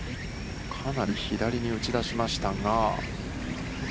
かなり左に打ち出しましたが。